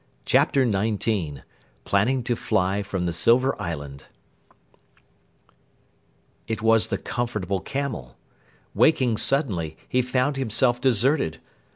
CHAPTER 19 PLANNING TO FLY FROM THE SILVER ISLAND It was the Comfortable Camel. Waking suddenly, he found himself deserted.